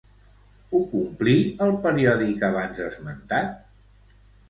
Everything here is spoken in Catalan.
Ho complí, el periòdic abans esmentat?